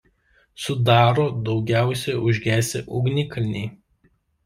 Sudaro daugiausia užgesę ugnikalniai.